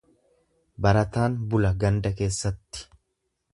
Barataan bula ganda keessatti.